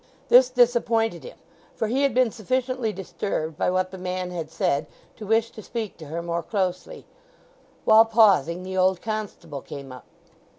This disappointed him, for he had been sufficiently disturbed by what the man had said to wish to speak to her more closely. While pausing the old constable came up.